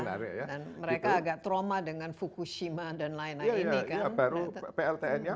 dan mereka agak trauma dengan fukushima dan lain lain ini kan